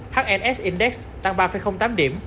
hns index tăng ba tám điểm